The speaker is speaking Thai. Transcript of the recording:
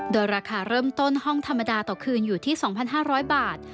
โดยราคาเริ่มต้นห้องธรรมดาต่อคืนอยู่ที่๒๕๐๐บาท